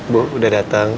bu udah datang